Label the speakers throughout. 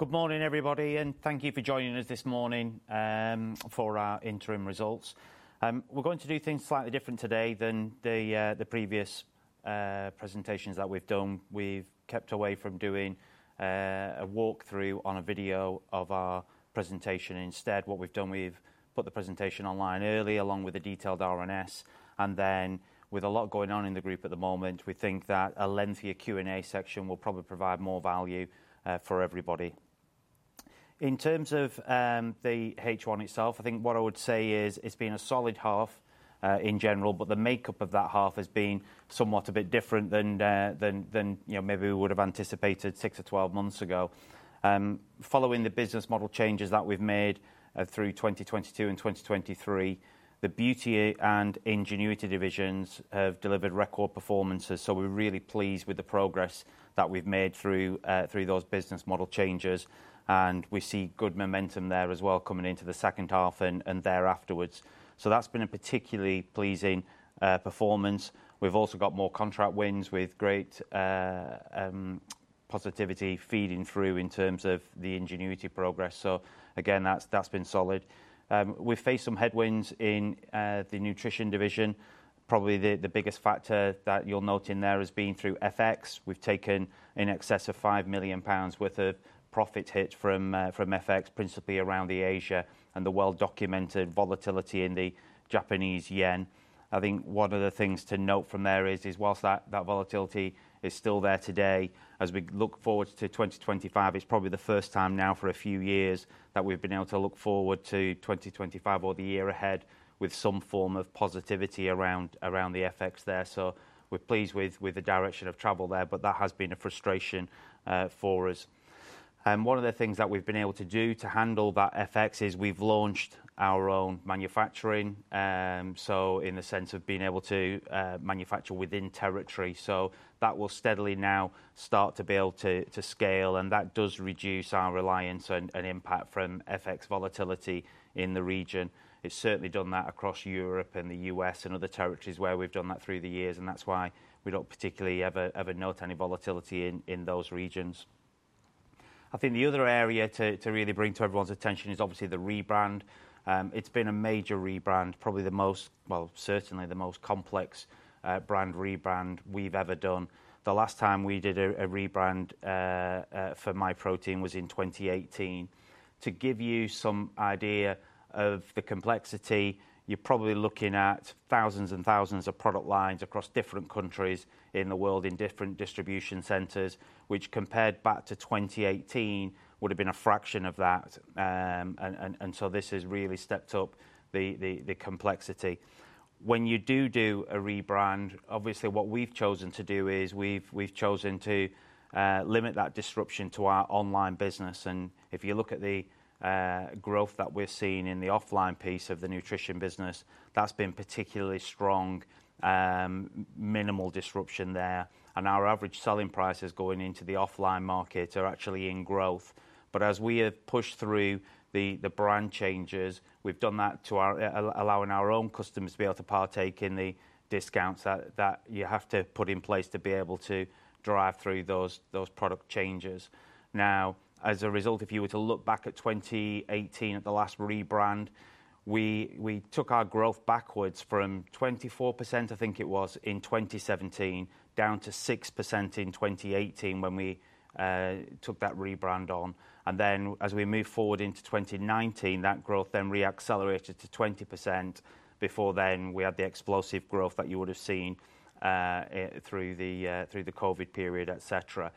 Speaker 1: Good morning, everybody, and thank you for joining us this morning, for our interim results. We're going to do things slightly different today than the previous presentations that we've done. We've kept away from doing a walkthrough on a video of our presentation. Instead, what we've done, we've put the presentation online early, along with a detailed RNS, and then with a lot going on in the group at the moment, we think that a lengthier Q&A section will probably provide more value, for everybody. In terms of the H1 itself, I think what I would say is it's been a solid half, in general, but the makeup of that half has been somewhat a bit different than the, you know, maybe we would have anticipated six to 12 months ago. Following the business model changes that we've made through 2022 and 2023, the Beauty and Ingenuity divisions have delivered record performances, so we're really pleased with the progress that we've made through those business model changes, and we see good momentum there as well coming into the second half and thereafterwards, so that's been a particularly pleasing performance. We've also got more contract wins with great positivity feeding through in terms of the Ingenuity progress, so again, that's been solid. We faced some headwinds in the Nutrition division. Probably the biggest factor that you'll note in there has been through FX. We've taken in excess of 5 million pounds worth of profit hit from FX, principally around the Asia and the well-documented volatility in the Japanese yen. I think one of the things to note from there is whilst that volatility is still there today, as we look forward to 2025, it's probably the first time now for a few years that we've been able to look forward to 2025 or the year ahead with some form of positivity around the FX there. So we're pleased with the direction of travel there, but that has been a frustration for us. One of the things that we've been able to do to handle that FX is we've launched our own manufacturing, so in the sense of being able to manufacture within territory. So that will steadily now start to be able to scale, and that does reduce our reliance on an impact from FX volatility in the region. It's certainly done that across Europe and the US and other territories where we've done that through the years, and that's why we don't particularly ever note any volatility in those regions. I think the other area to really bring to everyone's attention is obviously the rebrand. It's been a major rebrand, probably the most, well, certainly the most complex brand rebrand we've ever done. The last time we did a rebrand for Myprotein was in 2018. To give you some idea of the complexity, you're probably looking at thousands and thousands of product lines across different countries in the world, in different distribution centers, which compared back to 2018, would have been a fraction of that, and so this has really stepped up the complexity. When you do a rebrand, obviously, what we've chosen to do is we've chosen to limit that disruption to our online business, and if you look at the growth that we're seeing in the offline piece of the nutrition business, that's been particularly strong, minimal disruption there, and our average selling prices going into the offline market are actually in growth. But as we have pushed through the brand changes, we've done that, allowing our own customers to be able to partake in the discounts that you have to put in place to be able to drive through those product changes. Now, as a result, if you were to look back at 2018, at the last rebrand, we took our growth backwards from 24%, I think it was, in 2017, down to 6% in 2018, when we took that rebrand on. And then as we moved forward into 2019, that growth then re-accelerated to 20%. Before then, we had the explosive growth that you would have seen through the COVID period, et cetera.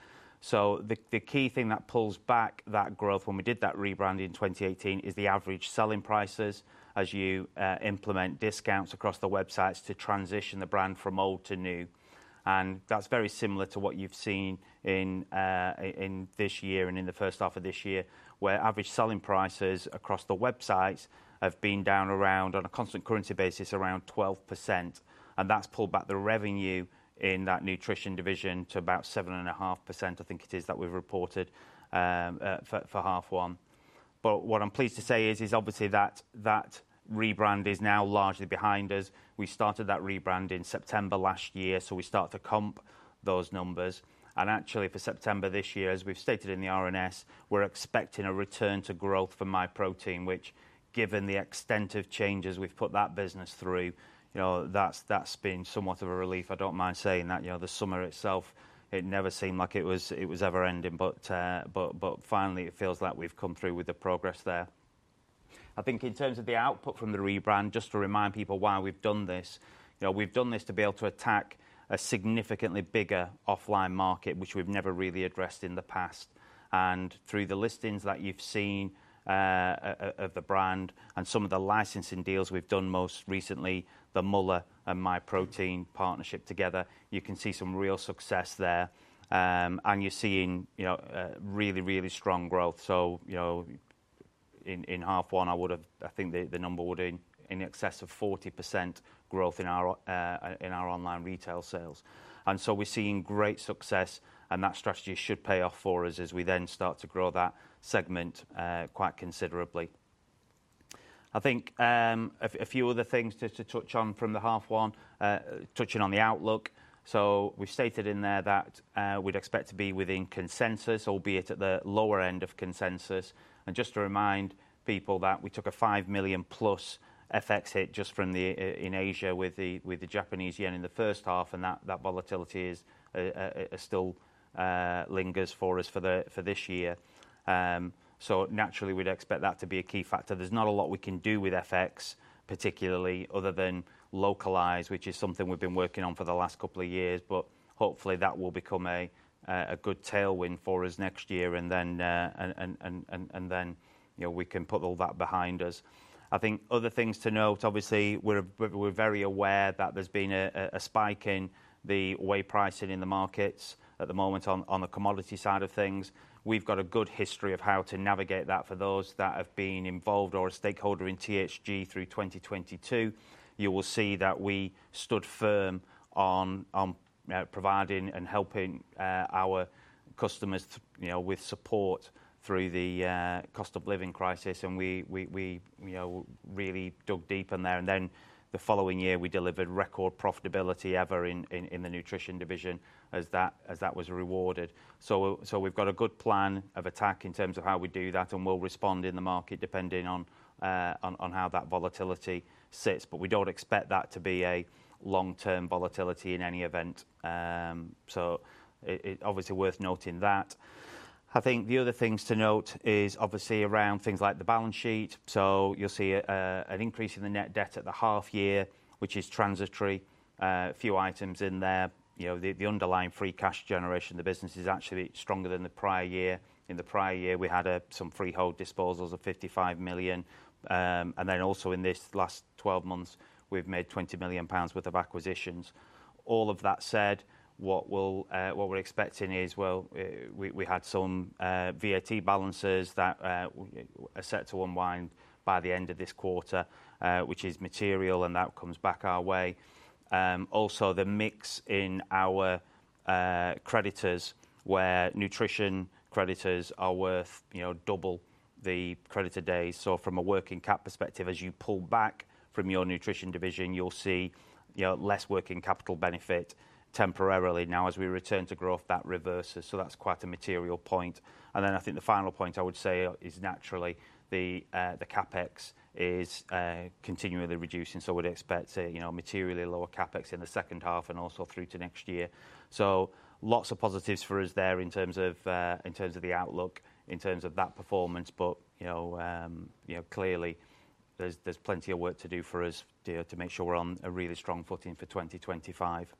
Speaker 1: So the key thing that pulls back that growth when we did that rebrand in 2018 is the average selling prices as you implement discounts across the websites to transition the brand from old to new. That's very similar to what you've seen in this year and in the first half of this year, where average selling prices across the websites have been down around, on a constant currency basis, around 12%, and that's pulled back the revenue in that Nutrition division to about 7.5%, I think it is, that we've reported for half one. What I'm pleased to say is obviously that rebrand is now largely behind us. We started that rebrand in September last year, so we start to comp those numbers. Actually, for September this year, as we've stated in the RNS, we're expecting a return to growth for Myprotein, which, given the extent of changes we've put that business through, you know, that's been somewhat of a relief, I don't mind saying that. You know, the summer itself, it never seemed like it was ever-ending, but finally, it feels like we've come through with the progress there. I think in terms of the output from the rebrand, just to remind people why we've done this, you know, we've done this to be able to attack a significantly bigger offline market, which we've never really addressed in the past. And through the listings that you've seen, of the brand and some of the licensing deals we've done most recently, the Müller and Myprotein partnership together, you can see some real success there. And you're seeing, you know, really, really strong growth. So, you know, in half one, I think the number would be in excess of 40% growth in our online retail sales. We're seeing great success, and that strategy should pay off for us as we then start to grow that segment quite considerably. I think a few other things just to touch on from the H1, touching on the outlook. We've stated in there that we'd expect to be within consensus, albeit at the lower end of consensus. Just to remind people that we took a 5 million plus FX hit just from in Asia with the Japanese yen in the first half, and that volatility still lingers for us for this year. Naturally, we'd expect that to be a key factor. There's not a lot we can do with FX, particularly, other than localize, which is something we've been working on for the last couple of years, but hopefully, that will become a good tailwind for us next year, and then, you know, we can put all that behind us. I think other things to note, obviously, we're very aware that there's been a spike in the wheat pricing in the markets at the moment on the commodity side of things. We've got a good history of how to navigate that for those that have been involved or a stakeholder in THG through 2022. You will see that we stood firm on providing and helping our customers, you know, with support through the cost of living crisis, and we, you know, really dug deep in there. And then, the following year, we delivered record profitability ever in the nutrition division as that was rewarded. So we've got a good plan of attack in terms of how we do that, and we'll respond in the market, depending on how that volatility sits. But we don't expect that to be a long-term volatility in any event. Obviously worth noting that. I think the other things to note is obviously around things like the balance sheet. So you'll see an increase in the net debt at the half year, which is transitory. A few items in there. You know, the underlying free cash generation, the business is actually stronger than the prior year. In the prior year, we had some freehold disposals of 55 million. And then also in this last 12 months, we've made 20 million pounds worth of acquisitions. All of that said, what we're expecting is, well, we had some VAT balances that are set to unwind by the end of this quarter, which is material, and that comes back our way. Also, the mix in our creditors, where nutrition creditors are worth, you know, double the creditor days. So from a working cap perspective, as you pull back from your nutrition division, you'll see, you know, less working capital benefit temporarily. Now, as we return to growth, that reverses, so that's quite a material point. And then, I think the final point I would say is naturally, the CapEx is continually reducing, so I would expect to see, you know, materially lower CapEx in the second half and also through to next year. So lots of positives for us there in terms of, in terms of the outlook, in terms of that performance, but, you know, you know, clearly, there's plenty of work to do for us to make sure we're on a really strong footing for 2025.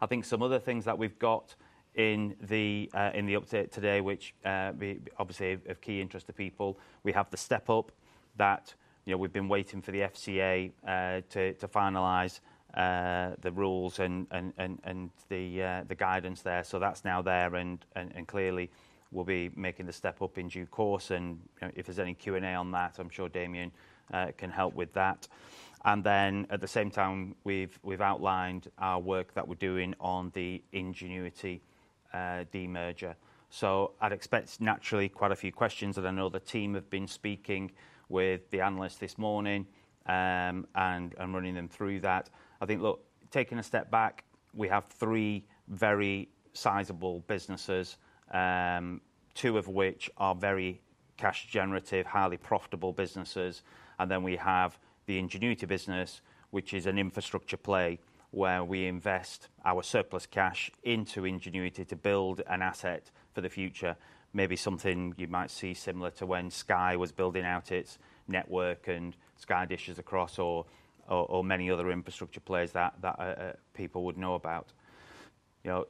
Speaker 1: I think some other things that we've got in the, in the update today, which be obviously of key interest to people, we have the step-up that, you know, we've been waiting for the FCA to finalize, the rules and the, the guidance there. So that's now there, and clearly, we'll be making the step-up in due course. And, you know, if there's any Q&A on that, I'm sure Damian can help with that. And then, at the same time, we've outlined our work that we're doing on the Ingenuity demerger. So I'd expect naturally quite a few questions, and I know the team have been speaking with the analysts this morning, and running them through that. I think, look, taking a step back, we have three very sizable businesses, two of which are very cash generative, highly profitable businesses. And then, we have the Ingenuity business, which is an infrastructure play, where we invest our surplus cash into Ingenuity to build an asset for the future. Maybe something you might see similar to when Sky was building out its network and Sky dishes across or many other infrastructure players that people would know about. You know,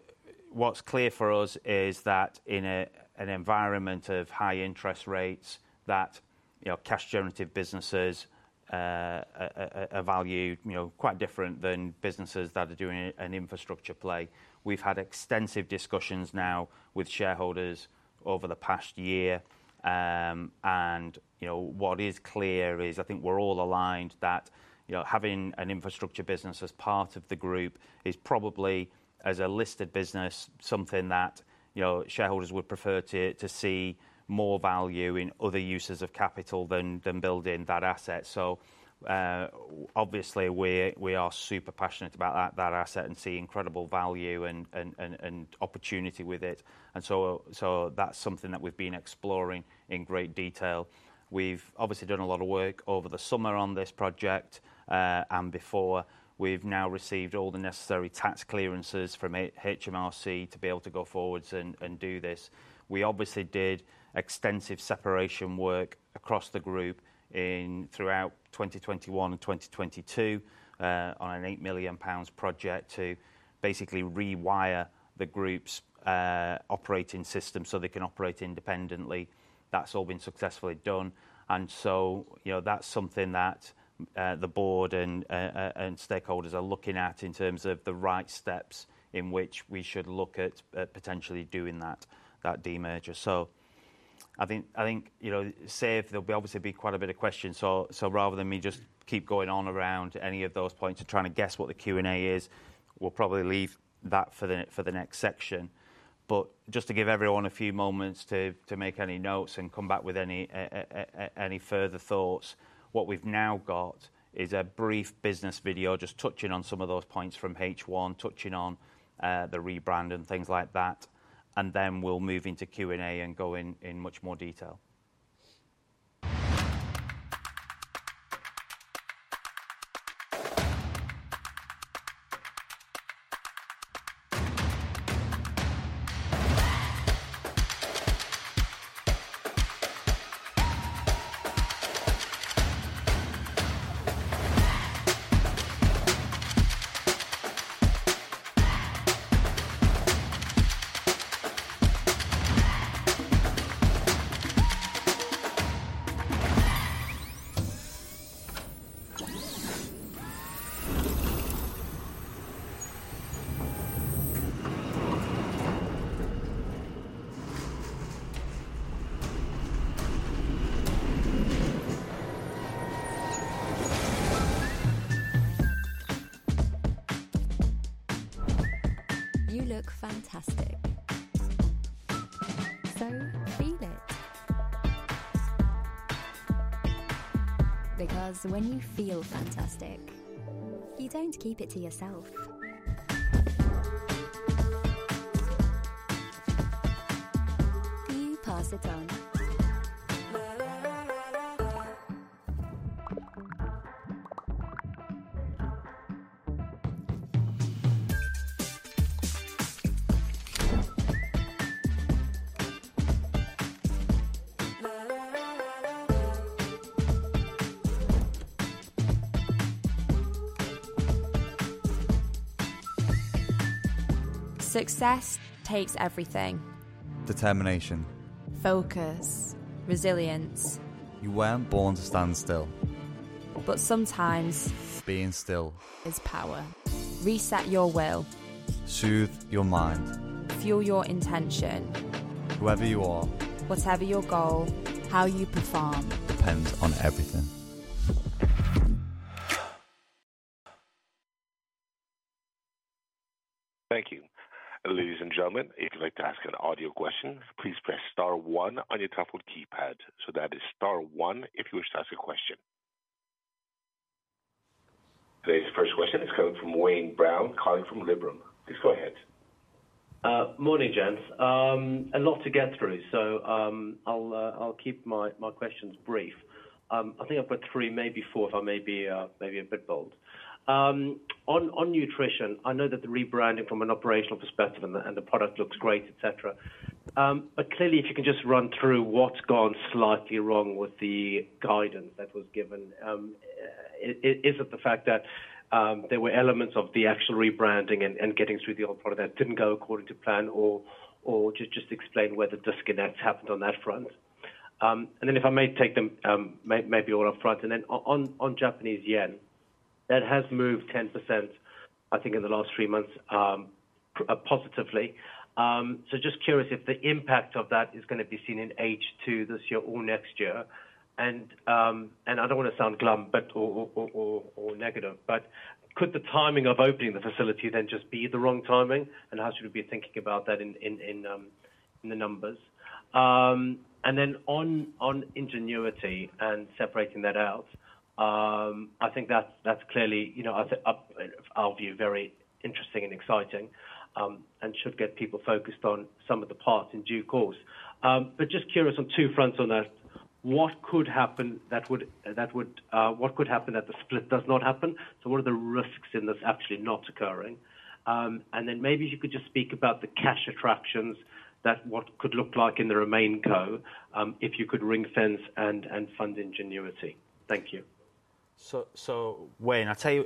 Speaker 1: what's clear for us is that in an environment of high interest rates, that you know, cash generative businesses are valued, you know, quite different than businesses that are doing an infrastructure play. We've had extensive discussions now with shareholders over the past year, and you know, what is clear is, I think we're all aligned that you know, having an infrastructure business as part of the group is probably, as a listed business, something that you know, shareholders would prefer to see more value in other uses of capital than building that asset. Obviously, we are super passionate about that asset and see incredible value and opportunity with it. So that's something that we've been exploring in great detail. We've obviously done a lot of work over the summer on this project and before. We've now received all the necessary tax clearances from HMRC to be able to go forward and do this. We obviously did extensive separation work across the group throughout 2021 and 2022 on a 8 million pounds project to basically rewire the group's operating system so they can operate independently. That's all been successfully done. You know, that's something that the board and stakeholders are looking at in terms of the right steps in which we should look at potentially doing that demerger. So... I think, you know, it's safe to say there'll obviously be quite a bit of questions, so rather than me just keep going on around any of those points and trying to guess what the Q&A is, we'll probably leave that for the next section. But just to give everyone a few moments to make any notes and come back with any further thoughts. What we've now got is a brief business video, just touching on some of those points from H1, touching on the rebrand and things like that, and then we'll move into Q&A and go in much more detail.
Speaker 2: You look fantastic. So feel it. Because when you feel fantastic, you don't keep it to yourself. You pass it on.
Speaker 3: Success takes everything.
Speaker 2: Determination.
Speaker 3: Focus, resilience.
Speaker 4: You weren't born to stand still.
Speaker 3: But sometimes-
Speaker 4: Being still-
Speaker 3: Is power. Reset your will.
Speaker 4: Soothe your mind.
Speaker 3: Fuel your intention.
Speaker 4: Whoever you are...
Speaker 3: Whatever your goal, how you perform-
Speaker 4: Depends on everything.
Speaker 5: Thank you. Ladies and gentlemen, if you'd like to ask an audio question, please press star one on your telephone keypad. So that is star one if you wish to ask a question. Today's first question is coming from Wayne Brown, calling from Liberum. Please go ahead.
Speaker 6: Morning, gents. A lot to get through, so I'll keep my questions brief. I think I've got three, maybe four, if I may be a bit bold. On nutrition, I know that the rebranding from an operational perspective and the product looks great, et cetera. But clearly, if you can just run through what's gone slightly wrong with the guidance that was given. Is it the fact that there were elements of the actual rebranding and getting through the old product that didn't go according to plan, or just explain where the disconnect happened on that front? And then if I may take them, maybe all up front, and then on Japanese yen, that has moved 10%, I think, in the last three months, positively. So just curious if the impact of that is gonna be seen in H2 this year or next year? And I don't want to sound glum or negative, but could the timing of opening the facility then just be the wrong timing, and how should we be thinking about that in the numbers? And then on Ingenuity and separating that out, I think that's clearly, you know, as our view, very interesting and exciting, and should get people focused on some of the parts in due course. But just curious on two fronts on that. What could happen if the split does not happen? What are the risks in this actually not occurring? And then maybe if you could just speak about the cash extraction, what that could look like in the RemainCo, if you could ring-fence and fund Ingenuity. Thank you.
Speaker 1: So, Wayne, I'll tell you,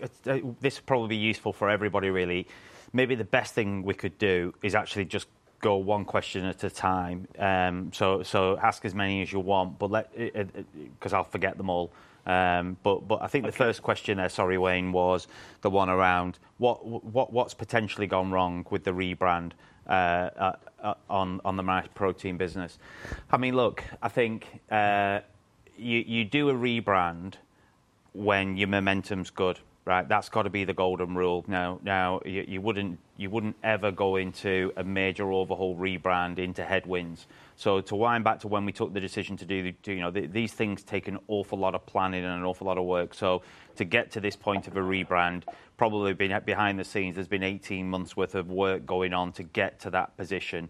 Speaker 1: this will probably be useful for everybody, really. Maybe the best thing we could do is actually just go one question at a time. So, ask as many as you want, but 'cause I'll forget them all. But I think the first question there, sorry, Wayne, was the one around what's potentially gone wrong with the rebrand on the Myprotein business? I mean, look, I think you do a rebrand when your momentum's good, right? That's got to be the golden rule. Now, you wouldn't ever go into a major overhaul rebrand into headwinds. So to wind back to when we took the decision to do, you know, these things take an awful lot of planning and an awful lot of work. So to get to this point of a rebrand, probably behind the scenes, there's been eighteen months' worth of work going on to get to that position.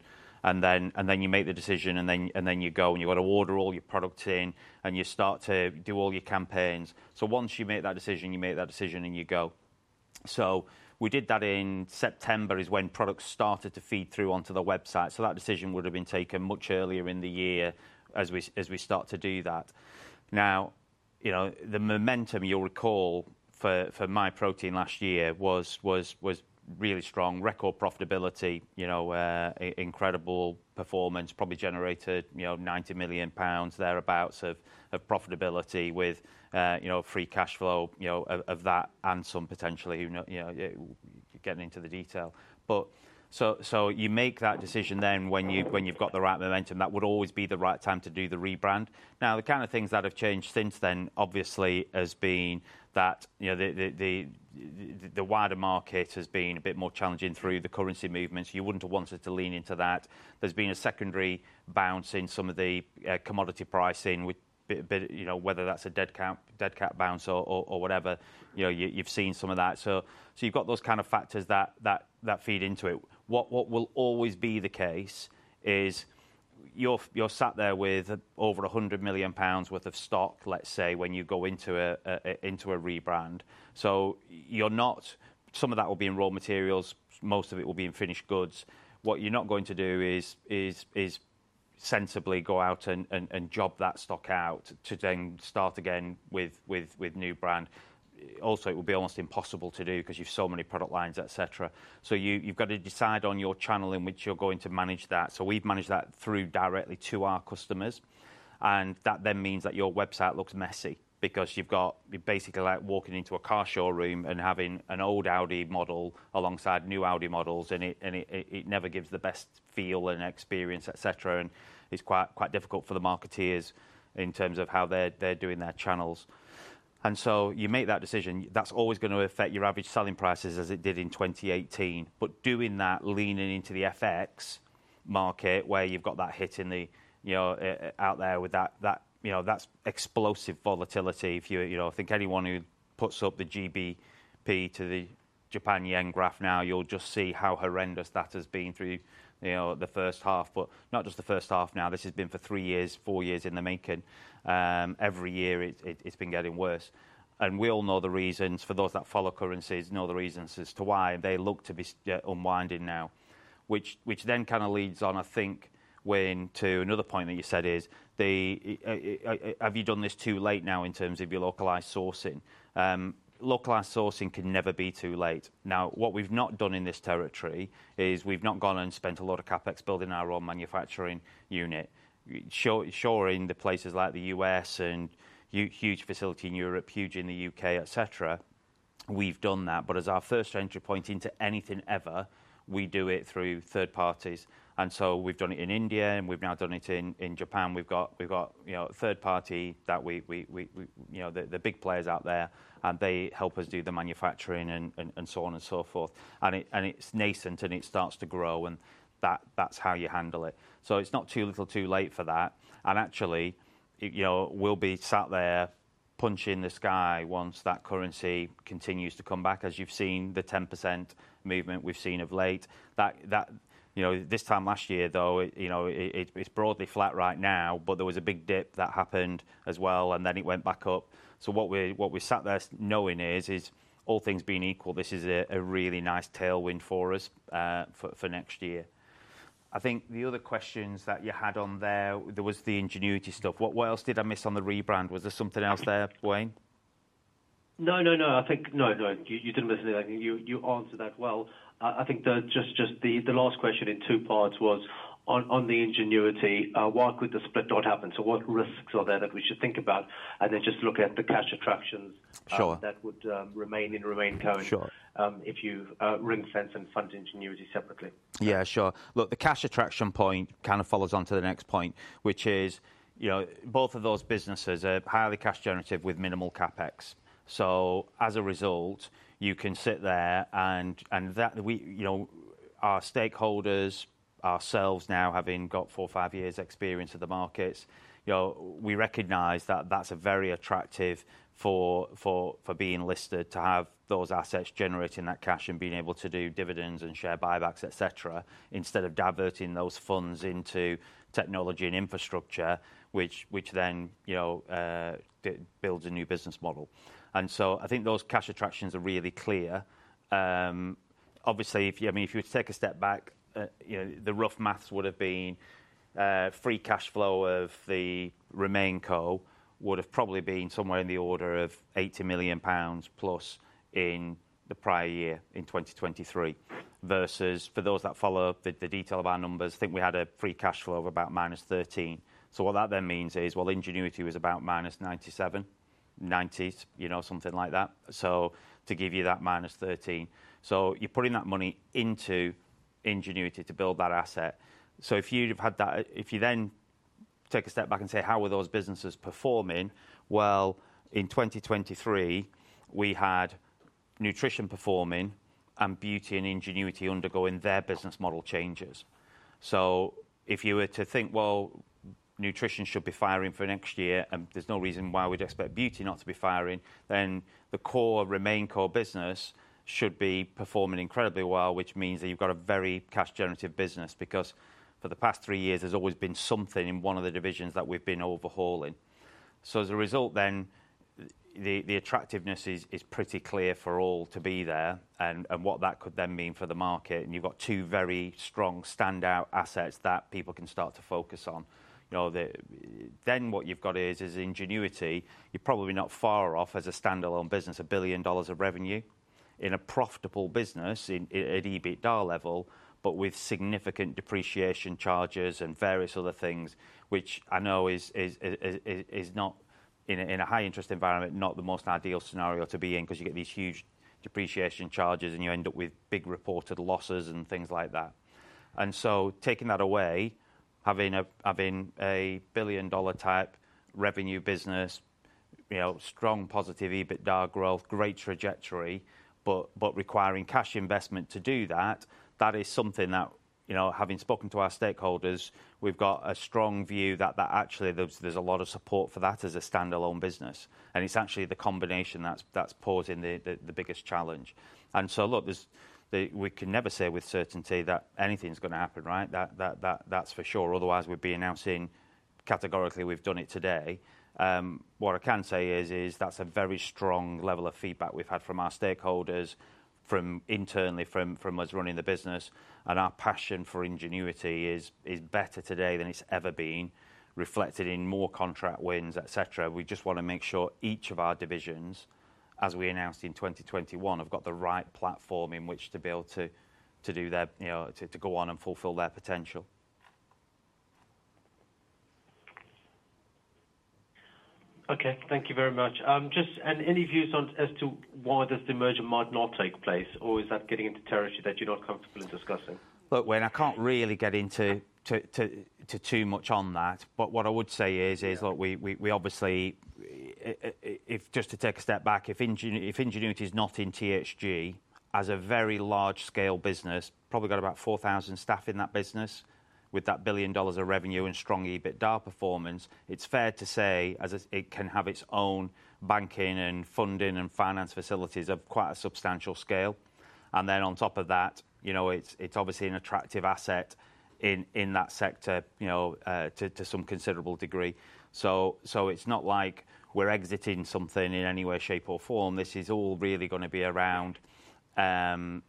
Speaker 1: And then you make the decision, and then you go, and you got to order all your product in, and you start to do all your campaigns. So once you make that decision and you go. So we did that in September, is when products started to feed through onto the website. So that decision would have been taken much earlier in the year as we start to do that. Now, you know, the momentum, you'll recall, for Myprotein last year was really strong. Record profitability, you know, incredible performance, probably generated, you know, 90 million pounds thereabout of profitability with, you know, free cash flow, you know, of that and some potentially, you know, getting into the detail. You make that decision then when you, when you've got the right momentum, that would always be the right time to do the rebrand. Now, the kind of things that have changed since then, obviously, has been that, you know, the wider market has been a bit more challenging through the currency movements. You wouldn't have wanted to lean into that. There's been a secondary bounce in some of the commodity pricing, you know, whether that's a dead cat bounce or whatever, you know, you've seen some of that. You've got those kind of factors that feed into it. What will always be the case is you're sat there with over 100 million pounds worth of stock, let's say, when you go into a rebrand. You're not... Some of that will be in raw materials, most of it will be in finished goods. What you're not going to do is sensibly go out and job that stock out to then start again with new brand. Also, it will be almost impossible to do 'cause you've so many product lines, et cetera. You've got to decide on your channel in which you're going to manage that. So we've managed that through directly to our customers, and that then means that your website looks messy because you've got—you're basically like walking into a car showroom and having an old Audi model alongside new Audi models, and it never gives the best feel and experience, et cetera, and it's quite difficult for the marketeers in terms of how they're doing their channels. And so you make that decision, that's always going to affect your average selling prices, as it did in 2018. But doing that, leaning into the FX market, where you've got that hit in the, you know, out there with that, you know, that's explosive volatility. If you, you know, I think anyone who puts up the GBP to the Japanese yen graph now, you'll just see how horrendous that has been through, you know, the first half, but not just the first half now, this has been for three years, four years in the making. Every year it's been getting worse. And we all know the reasons, for those that follow currencies, know the reasons as to why they look to be unwinding now. Which then kind of leads on, I think, Wayne, to another point that you said is, have you done this too late now in terms of your localized sourcing? Localized sourcing can never be too late. Now, what we've not done in this territory is we've not gone and spent a lot of CapEx building our own manufacturing unit. Shoring the places like the US and huge facility in Europe, huge in the UK, et cetera, we've done that. But as our first entry point into anything ever, we do it through third parties, and so we've done it in India, and we've now done it in Japan. We've got, you know, a third party that we, you know, the big players out there, and they help us do the manufacturing and so on and so forth. And it's nascent, and it starts to grow, and that's how you handle it. So it's not too little too late for that. And actually, you know, we'll be sat there punching the sky once that currency continues to come back, as you've seen the 10% movement we've seen of late. That, you know, this time last year, though, you know, it, it's broadly flat right now, but there was a big dip that happened as well, and then it went back up. So what we sat there knowing is all things being equal, this is a really nice tailwind for us, for next year. I think the other questions that you had on there, there was the Ingenuity stuff. What else did I miss on the rebrand? Was there something else there, Wayne?
Speaker 6: No, no, no, I think. No, you didn't miss anything. You answered that well. I think just the last question in two parts was on the Ingenuity, why could the split not happen? So what risks are there that we should think about? And then just look at the cash attractions.
Speaker 1: Sure...
Speaker 6: that would remain and remain current-
Speaker 1: Sure...
Speaker 6: if you ring-fence and fund Ingenuity separately.
Speaker 1: Yeah, sure. Look, the cash attraction point kind of follows on to the next point, which is, you know, both of those businesses are highly cash generative with minimal CapEx. So as a result, you can sit there and that we, you know, our stakeholders, ourselves now having got four or five years' experience of the markets, you know, we recognize that that's a very attractive for being listed, to have those assets generating that cash and being able to do dividends and share buybacks, et cetera, instead of diverting those funds into technology and infrastructure, which then, you know, build a new business model. And so I think those cash attractions are really clear. Obviously, if you, I mean, if you were to take a step back, you know, the rough math would have been, free cash flow of the RemainCo would have probably been somewhere in the order of 80 million pounds plus in the prior year, in 2023, versus for those that follow the detail of our numbers, I think we had a free cash flow of about minus 13. So what that then means is, well, Ingenuity was about minus 97, 90s, you know, something like that, so to give you that minus 13. So you're putting that money into Ingenuity to build that asset. So if you'd have had that, if you then take a step back and say: "How are those businesses performing?" Well, in 2023, we had Nutrition performing and Beauty and Ingenuity undergoing their business model changes. So if you were to think, well, Nutrition should be firing for next year, and there's no reason why we'd expect Beauty not to be firing, then the core RemainCo business should be performing incredibly well, which means that you've got a very cash-generative business, because for the past three years, there's always been something in one of the divisions that we've been overhauling. So as a result then, the attractiveness is pretty clear for all to be there and what that could then mean for the market, and you've got two very strong standout assets that people can start to focus on. You know, then what you've got is Ingenuity, you're probably not far off as a standalone business, $1 billion of revenue. In a profitable business, at EBITDA level, but with significant depreciation charges and various other things, which I know is not in a high interest environment, not the most ideal scenario to be in, because you get these huge depreciation charges, and you end up with big reported losses and things like that. Taking that away, having a billion-dollar type revenue business, you know, strong positive EBITDA growth, great trajectory, but requiring cash investment to do that, that is something that, you know, having spoken to our stakeholders, we've got a strong view that actually there's a lot of support for that as a standalone business. It's actually the combination that's posing the biggest challenge. Look, we can never say with certainty that anything's going to happen, right? That, that's for sure. Otherwise, we'd be announcing categorically, we've done it today. What I can say is that's a very strong level of feedback we've had from our stakeholders, from internally, from us running the business, and our passion for Ingenuity is better today than it's ever been, reflected in more contract wins, et cetera. We just want to make sure each of our divisions, as we announced in 2021, have got the right platform in which to be able to do their, you know, to go on and fulfill their potential.
Speaker 6: Okay, thank you very much. Just, and any views on as to why this demerger might not take place, or is that getting into territory that you're not comfortable in discussing?
Speaker 1: Look, Wayne, I can't really get into too much on that. But what I would say is, look, we obviously, if just to take a step back, if Ingenuity is not in THG as a very large-scale business, probably got about 4,000 staff in that business, with that $1 billion of revenue and strong EBITDA performance, it's fair to say, as it can have its own banking and funding and finance facilities of quite a substantial scale. And then on top of that, you know, it's obviously an attractive asset in that sector, you know, to some considerable degree. So it's not like we're exiting something in any way, shape, or form. This is all really going to be around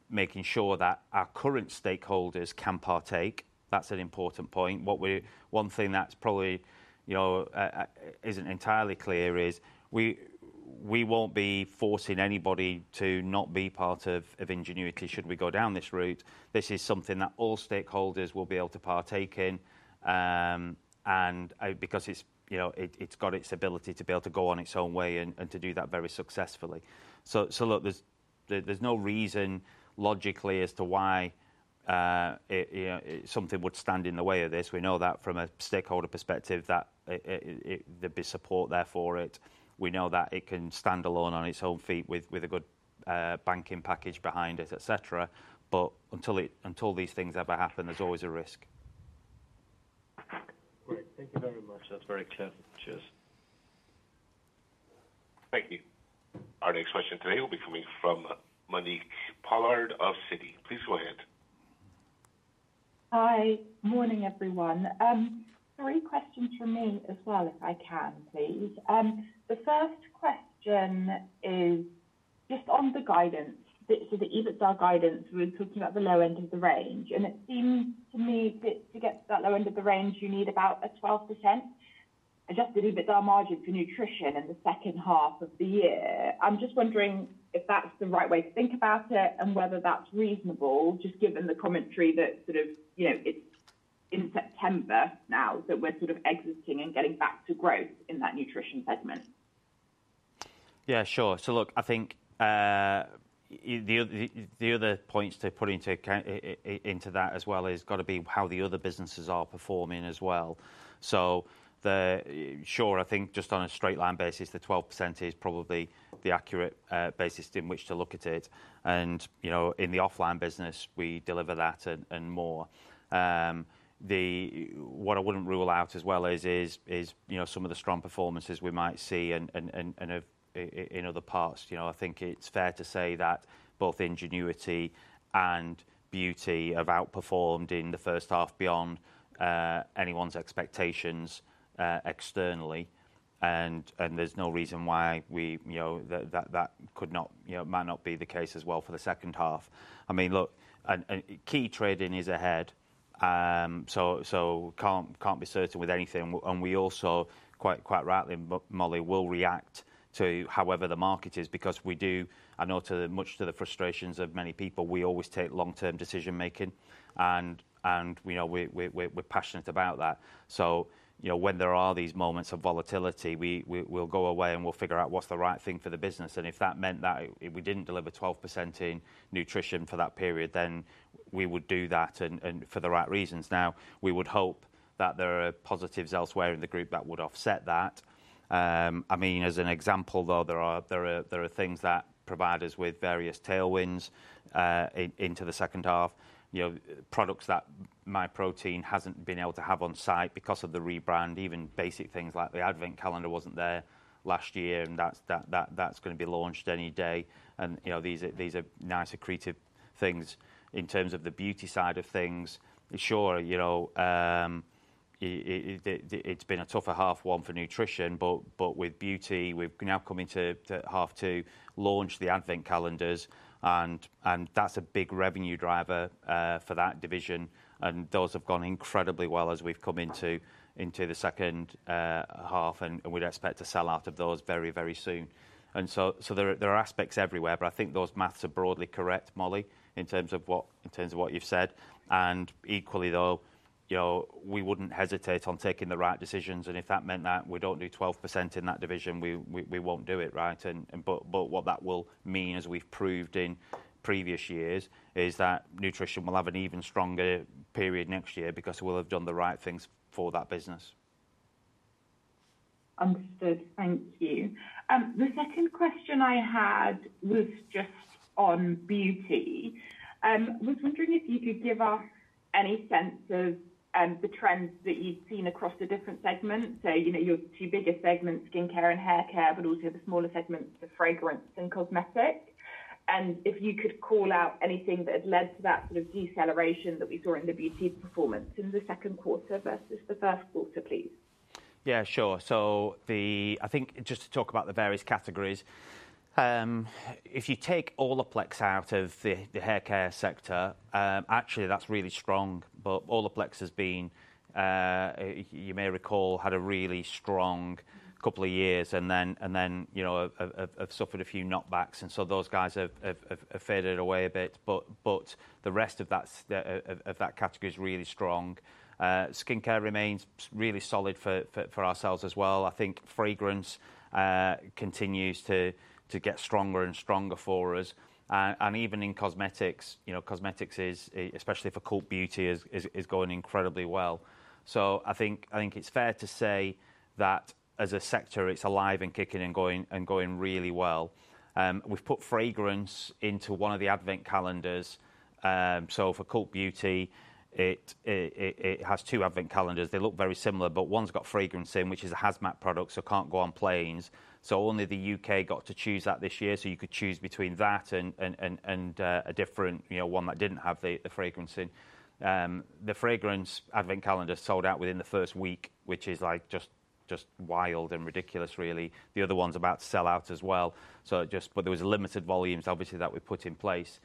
Speaker 1: making sure that our current stakeholders can partake. That's an important point. What one thing that's probably, you know, isn't entirely clear is we won't be forcing anybody to not be part of Ingenuity should we go down this route. This is something that all stakeholders will be able to partake in, and because it's, you know, it's got its ability to be able to go on its own way and to do that very successfully. So look, there's no reason logically as to why, you know, something would stand in the way of this. We know that from a stakeholder perspective, that there'd be support there for it. We know that it can stand alone on its own feet with a good banking package behind it, et cetera. But until these things ever happen, there's always a risk.
Speaker 6: Great. Thank you very much. That's very clear. Cheers.
Speaker 5: Thank you. Our next question today will be coming from Monique Pollard of Citi. Please go ahead.
Speaker 3: Hi. Morning, everyone. Three questions from me as well, if I can, please. The first question is just on the guidance, so the EBITDA guidance. We're talking about the low end of the range, and it seems to me that to get to that low end of the range, you need about a 12% adjusted EBITDA margin for nutrition in the second half of the year. I'm just wondering if that's the right way to think about it and whether that's reasonable, just given the commentary that sort of, you know, it's in September now, that we're sort of exiting and getting back to growth in that nutrition segment.
Speaker 1: Yeah, sure. So look, I think the other points to put into account into that as well has got to be how the other businesses are performing as well. Sure, I think just on a straight line basis, the 12% is probably the accurate basis in which to look at it. And, you know, in the offline business, we deliver that and more. What I wouldn't rule out as well is, you know, some of the strong performances we might see in other parts. You know, I think it's fair to say that both Ingenuity and Beauty have outperformed in the first half beyond anyone's expectations externally, and there's no reason why we, you know, that could not, you know, might not be the case as well for the second half. I mean, look, like trading is ahead, so can't be certain with anything. And we also, quite rightly, will react to however the market is, because we do, I know, much to the frustrations of many people. We always take long-term decision making, and you know, we're passionate about that. So, you know, when there are these moments of volatility, we'll go away, and we'll figure out what's the right thing for the business. If that meant that if we didn't deliver 12% in nutrition for that period, then we would do that and for the right reasons. Now, we would hope that there are positives elsewhere in the group that would offset that. I mean, as an example, though, there are things that provide us with various tailwinds into the second half. You know, products that Myprotein hasn't been able to have on site because of the rebrand, even basic things like the Advent calendar wasn't there last year, and that's going to be launched any day. You know, these are nicer creative things. In terms of the beauty side of things, sure, you know... It’s been a tougher half one for nutrition, but with beauty, we’ve now come into the half two, launched the Advent calendars, and that’s a big revenue driver for that division. And those have gone incredibly well as we’ve come into the second half, and we’d expect to sell out of those very, very soon. And so there are aspects everywhere, but I think those math are broadly correct, Monique, in terms of what you’ve said. And equally, though, you know, we wouldn’t hesitate on taking the right decisions, and if that meant that we don’t do 12% in that division, we won’t do it, right? What that will mean, as we've proved in previous years, is that nutrition will have an even stronger period next year because we'll have done the right things for that business.
Speaker 3: Understood. Thank you. The second question I had was just on beauty. Was wondering if you could give us any sense of the trends that you've seen across the different segments. So, you know, your two biggest segments, skincare and haircare, but also the smaller segments, the fragrance and cosmetics. And if you could call out anything that had led to that sort of deceleration that we saw in the beauty performance in the second quarter versus the first quarter, please.
Speaker 1: Yeah, sure. So I think just to talk about the various categories, if you take Olaplex out of the haircare sector, actually, that's really strong. But Olaplex has been, you may recall, had a really strong couple of years and then, you know, have suffered a few knockbacks, and so those guys have faded away a bit. But the rest of that category is really strong. Skincare remains really solid for ourselves as well. I think fragrance continues to get stronger and stronger for us. And even in cosmetics, you know, cosmetics is, especially for Cult Beauty, going incredibly well. So I think it's fair to say that as a sector, it's alive and kicking and going, and going really well. We've put fragrance into one of the Advent calendars. So for Cult Beauty, it has two Advent calendars. They look very similar, but one's got fragrance in, which is a hazmat product, so can't go on planes. So only the UK got to choose that this year, so you could choose between that and a different, you know, one that didn't have the fragrance in. The fragrance Advent calendar sold out within the first week, which is like just wild and ridiculous really. The other one's about to sell out as well. So just, but there was limited volumes, obviously, that we put in place.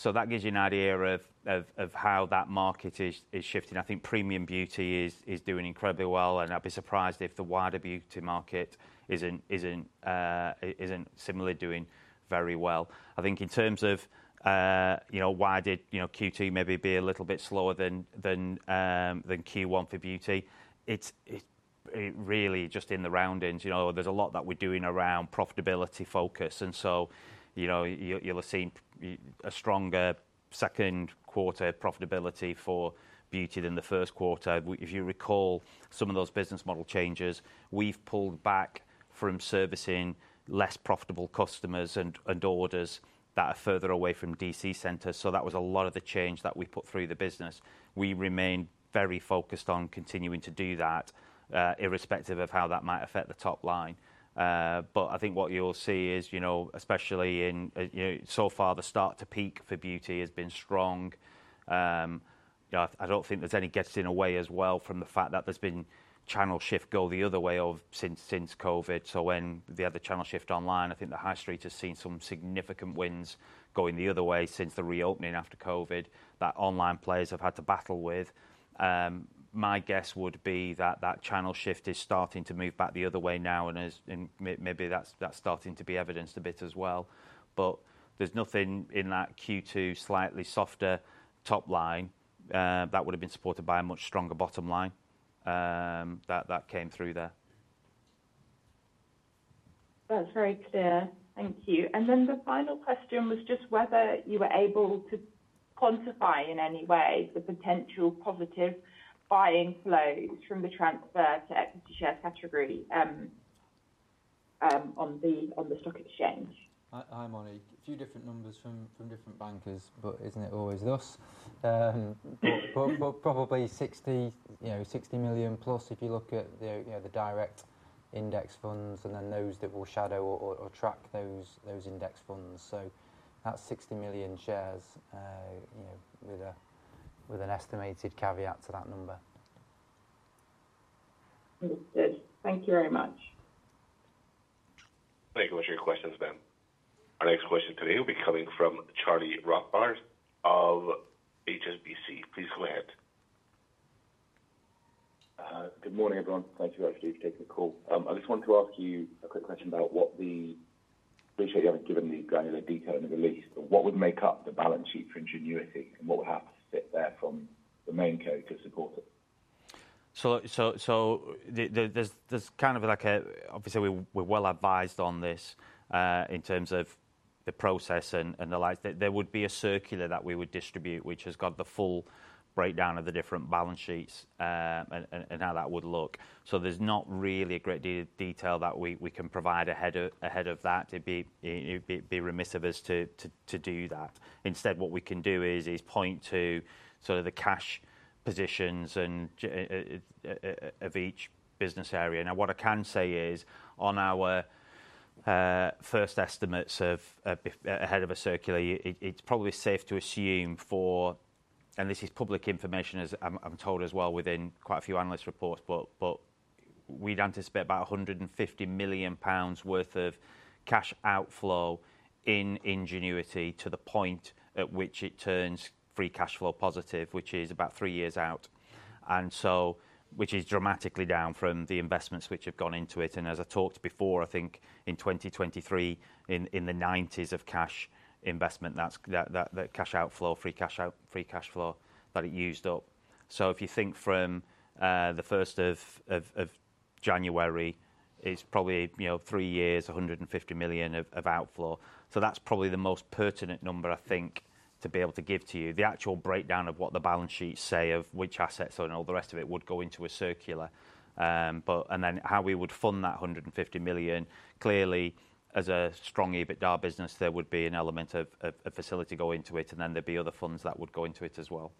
Speaker 1: So that gives you an idea of how that market is shifting. I think premium beauty is doing incredibly well, and I'd be surprised if the wider beauty market isn't similarly doing very well. I think in terms of you know, why did you know Q2 maybe be a little bit slower than than Q1 for beauty? It's really just in the runnings, you know, there's a lot that we're doing around profitability focus, and so, you know, you'll have seen a stronger second quarter profitability for beauty than the first quarter. If you recall some of those business model changes, we've pulled back from servicing less profitable customers and orders that are further away from DC centers. So that was a lot of the change that we put through the business. We remain very focused on continuing to do that, irrespective of how that might affect the top line. But I think what you'll see is, you know, especially in, you know, so far the start to peak for beauty has been strong. I don't think there's any getting away from the fact that there's been channel shift going the other way since COVID. When the channel shifted online, I think the high street has seen some significant wins going the other way since the reopening after COVID, that online players have had to battle with. My guess would be that that channel shift is starting to move back the other way now, and maybe that's starting to be evidenced a bit as well. There's nothing in that Q2 slightly softer top line that would have been supported by a much stronger bottom line that came through there.
Speaker 3: That's very clear. Thank you. And then the final question was just whether you were able to quantify in any way the potential positive buying flows from the transfer to equity share category, on the stock exchange?
Speaker 7: Hi, Monique. A few different numbers from different bankers, but isn't it always thus? But probably 60, you know, 60 million plus, if you look at the, you know, the direct index funds and then those that will shadow or track those index funds. So that's 60 million shares, you know, with an estimated caveat to that number.
Speaker 3: Understood. Thank you very much.
Speaker 5: Thank you for your questions, ma'am. Our next question today will be coming from Charlie Rothbarth of HSBC. Please go ahead.
Speaker 4: Good morning, everyone. Thank you for taking the call. I just wanted to ask you a quick question. I appreciate you haven't given the granular detail in the release, but what would make up the balance sheet for Ingenuity, and what would have to sit there from the main co to support it?
Speaker 1: So there's kind of like a, obviously, we're well advised on this in terms of the process and the like. There would be a circular that we would distribute, which has got the full breakdown of the different balance sheets and how that would look. So there's not really a great detail that we can provide ahead of that. It'd be remiss of us to do that. Instead, what we can do is point to sort of the cash positions of each business area. Now, what I can say is, on our-... First estimates of EBITDA ahead of a circular. It's probably safe to assume, for and this is public information, as I'm told as well within quite a few analyst reports, but we'd anticipate about 150 million pounds worth of cash outflow in Ingenuity to the point at which it turns free cash flow positive, which is about three years out, which is dramatically down from the investments which have gone into it. As I talked before, I think in 2023, in the nineties of cash investment, that's the cash outflow, free cash flow that it used up. If you think from the first of January, it's probably, you know, three years, 150 million of outflow. So that's probably the most pertinent number, I think, to be able to give to you. The actual breakdown of what the balance sheets say, of which assets and all the rest of it, would go into a circular, and then how we would fund that 150 million, clearly, as a strong EBITDA business, there would be an element of a facility going into it, and then there'd be other funds that would go into it as well.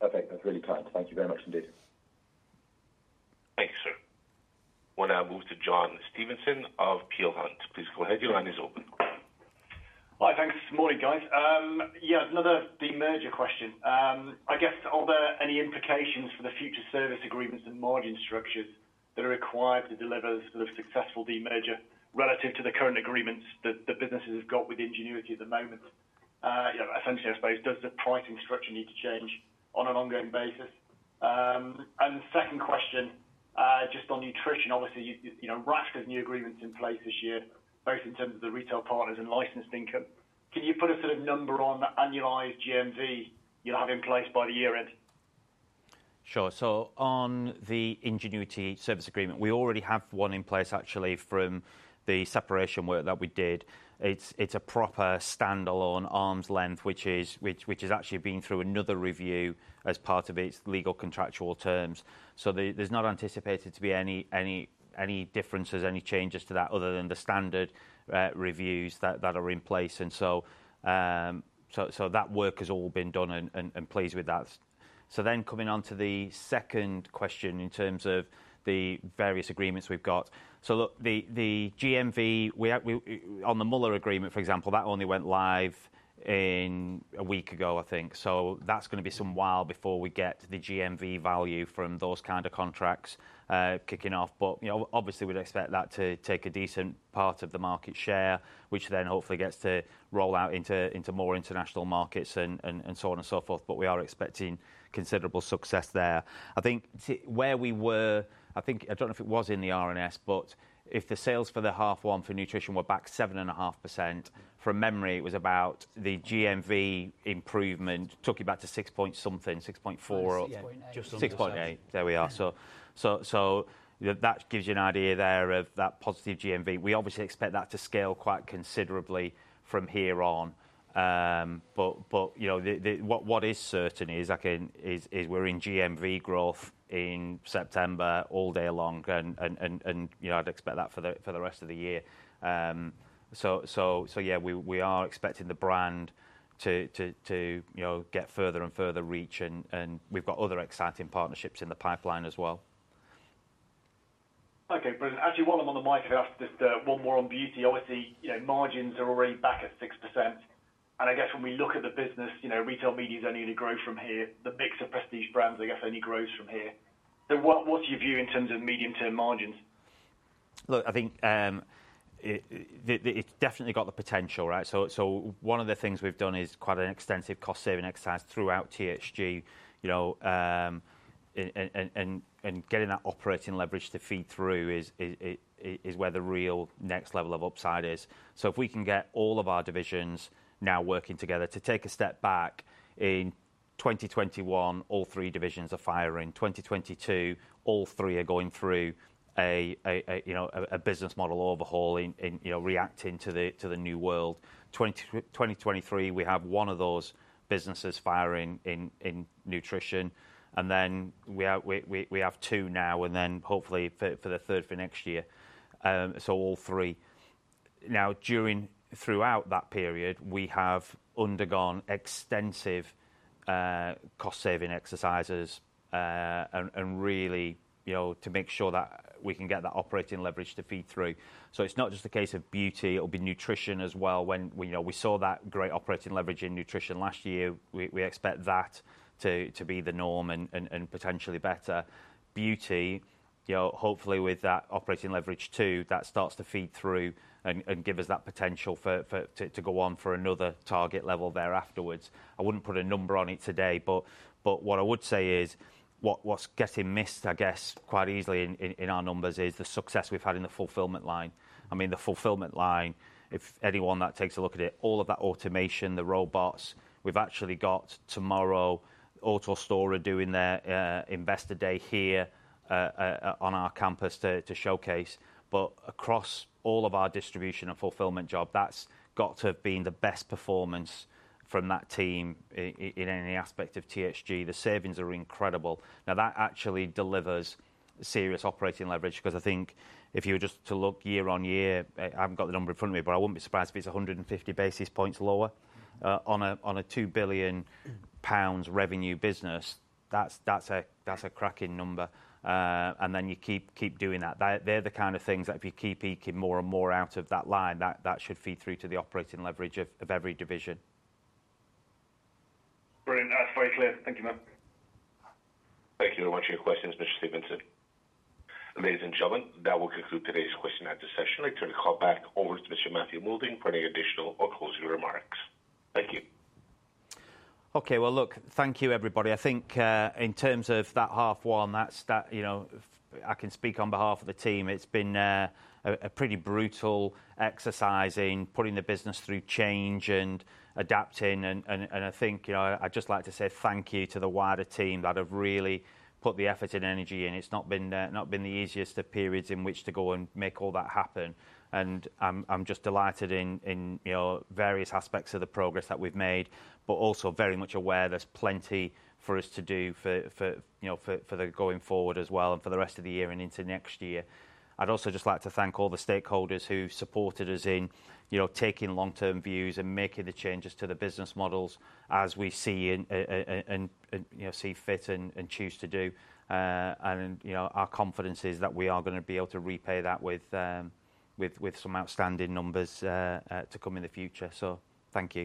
Speaker 5: Perfect. That's really clear. Thank you very much indeed. Thank you, sir. We'll now move to John Stevenson of Peel Hunt. Please go ahead. Your line is open.
Speaker 8: Hi, thanks this morning, guys. Yeah, another demerger question. I guess, are there any implications for the future service agreements and margin structures that are required to deliver the successful demerger relative to the current agreements that the businesses have got with Ingenuity at the moment? You know, essentially, I suppose, does the pricing structure need to change on an ongoing basis? And the second question, just on nutrition, obviously, you know, a raft of new agreements in place this year, both in terms of the retail partners and licensing income. Can you put a sort of number on the annualized GMV you'll have in place by the year end?
Speaker 1: Sure. So on the Ingenuity service agreement, we already have one in place, actually, from the separation work that we did. It's a proper standalone arm's length, which has actually been through another review as part of its legal contractual terms. So there, there's not anticipated to be any differences, any changes to that other than the standard reviews that are in place. And so that work has all been done and pleased with that. So then coming on to the second question in terms of the various agreements we've got. So look, the GMV, we on the Müller agreement, for example, that only went live in a week ago, I think. So that's going to be some while before we get the GMV value from those kind of contracts kicking off. You know, obviously, we'd expect that to take a decent part of the market share, which then hopefully gets to roll out into more international markets and so on and so forth, but we are expecting considerable success there. I think to where we were. I think I don't know if it was in the RNS, but if the sales for the H1 for nutrition were back 7.5%, from memory, it was about the GMV improvement, took you back to 6.4-
Speaker 9: 6.8.
Speaker 1: Six point eight. There we are. So that gives you an idea there of that positive GMV. We obviously expect that to scale quite considerably from here on. But you know, what is certain is, again, we're in GMV growth in September all day long, and you know, I'd expect that for the rest of the year. So yeah, we are expecting the brand to you know, get further and further reach, and we've got other exciting partnerships in the pipeline as well.
Speaker 8: Okay, brilliant. Actually, while I'm on the mic, can I ask just one more on beauty? Obviously, you know, margins are already back at 6%. And I guess when we look at the business, you know, retail media is only going to grow from here. The mix of prestige brands, I guess, only grows from here. So what, what's your view in terms of medium-term margins?
Speaker 1: Look, I think it's definitely got the potential, right? One of the things we've done is quite an extensive cost-saving exercise throughout THG, you know, and getting that operating leverage to feed through is where the real next level of upside is. If we can get all of our divisions now working together. To take a step back, in 2021, all three divisions are firing. In 2022, all three are going through a business model overhaul, you know, reacting to the new world. In 2023, we have one of those businesses firing in nutrition, and then we have two now, and then hopefully for the third for next year, so all three. Now, during, throughout that period, we have undergone extensive cost-saving exercises, and really, you know, to make sure that we can get that operating leverage to feed through. So it's not just a case of beauty, it'll be nutrition as well. When, you know, we saw that great operating leverage in nutrition last year, we expect that to be the norm and potentially better. Beauty, you know, hopefully with that operating leverage, too, that starts to feed through and give us that potential for to go on for another target level there afterwards. I wouldn't put a number on it today, but what I would say is, what's getting missed, I guess, quite easily in our numbers, is the success we've had in the fulfillment line. I mean, the fulfillment line, if anyone that takes a look at it, all of that automation, the robots, we've actually got tomorrow, AutoStore are doing their investor day here, on our campus to showcase. But across all of our distribution and fulfillment job, that's got to have been the best performance from that team in any aspect of THG. The savings are incredible. Now, that actually delivers serious operating leverage because I think if you were just to look year on year, I haven't got the number in front of me, but I wouldn't be surprised if it's 150 basis points lower, on a, on a two billion GBP revenue business. That's, that's a, that's a cracking number. And then you keep, keep doing that. They're the kind of things that if you keep eking more and more out of that line, that should feed through to the operating leverage of every division.
Speaker 8: Brilliant. That's very clear. Thank you, man.
Speaker 5: Thank you very much for your questions, Mr. Stevenson. Ladies and gentlemen, that will conclude today's question and answer session. I turn the call back over to Mr. Matthew Moulding for any additional or closing remarks. Thank you.
Speaker 1: Okay, well, look, thank you, everybody. I think, in terms of that half one, that's, you know, I can speak on behalf of the team. It's been a pretty brutal exercise in putting the business through change and adapting, and I think, you know, I'd just like to say thank you to the wider team that have really put the effort and energy in. It's not been the easiest of periods in which to go and make all that happen, and I'm just delighted in, you know, various aspects of the progress that we've made, but also very much aware there's plenty for us to do for, you know, for the going forward as well, and for the rest of the year and into next year. I'd also just like to thank all the stakeholders who've supported us in, you know, taking long-term views and making the changes to the business models as we see fit and choose to do. You know, our confidence is that we are going to be able to repay that with some outstanding numbers to come in the future, so thank you.